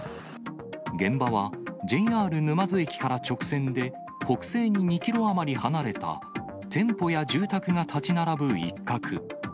現場は、ＪＲ沼津駅から直線で北西に２キロ余り離れた、店舗や住宅が建ち並ぶ一角。